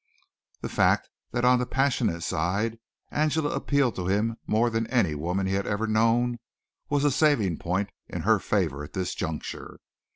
The fact that on the passional side Angela appealed to him more than any woman he had ever known was a saving point in her favor at this juncture.